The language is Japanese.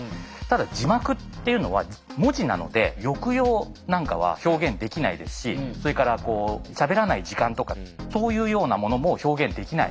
ただ字幕っていうのは文字なので抑揚なんかは表現できないですしそれからしゃべらない時間とかそういうようなものも表現できないわけです。